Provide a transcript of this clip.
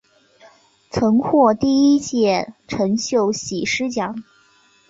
曾获第一届陈秀喜诗奖。